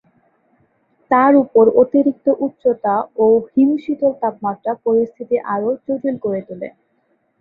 তার উপর অতিরিক্ত উচ্চতা ও হিমশীতল তাপমাত্রা পরিস্থিতি আরও জটিল করে তোলে।